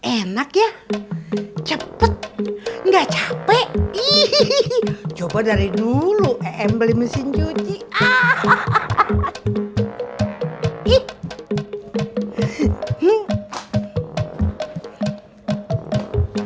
enak ya cepet nggak capek ih coba dari dulu em beli mesin cuci hahaha